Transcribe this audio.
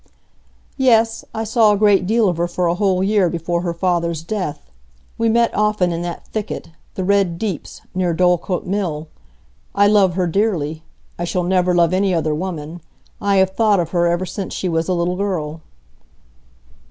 "Yes; I saw a great deal of her for a whole year before her father's death. We met often in that thicket—the Red Deeps—near Dorlcote Mill. I love her dearly; I shall never love any other woman. I have thought of her ever since she was a little girl."